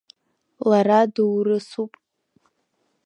Лара доурысуп.